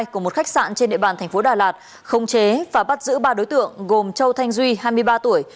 của một khách sạn trên địa bàn tp đà lạt không chế và bắt giữ ba đối tượng gồm châu thanh duy hai mươi ba tuổi